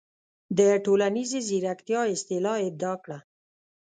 د"ټولنیزې زیرکتیا" اصطلاح ابداع کړه.